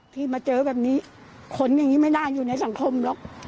ที่มาเจอแบบนี้ขนอย่างนี้ไม่น่าอยู่ในสังคมหรอก